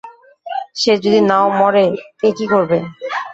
সে যদি নাও মরে কে কি করবে?